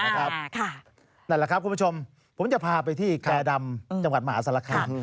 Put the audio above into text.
นั่นแหละครับคุณผู้ชมผมจะพาไปที่แก่ดำจังหวัดมหาศาลคาม